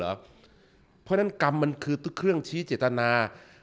เพราะฉะนั้นกรรมมันคือเครื่องชี้เจตนา